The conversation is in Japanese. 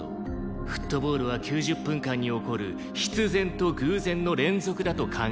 フットボールは９０分間に起こる必然と偶然の連続だと考えろ。